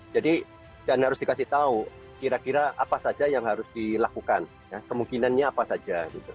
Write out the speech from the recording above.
jadi dan harus dikasih tahu kira kira apa saja yang harus dilakukan kemungkinannya apa saja